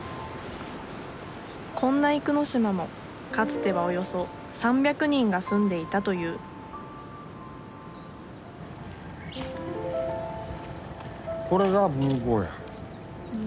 こんな生野島もかつてはおよそ３００人が住んでいたというふん。